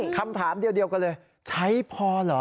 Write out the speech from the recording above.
คำถามเดียวกันเลยใช้พอเหรอ